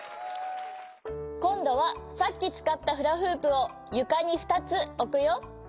こんどはさっきつかったフラフープをゆかにふたつおくよ。